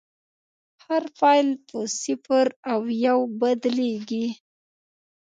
هر فایل په صفر او یو بدلېږي.